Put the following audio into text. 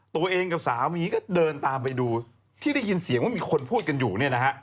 ตัวเองกับสามีก็เดินตามไปดูที่ได้ยินเสียงว่ามีคนพูดกันอยู่เนี่ยนะฮะ